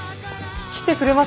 来てくれますよね？